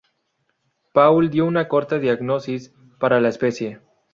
Paul dio una corta diagnosis para la especie.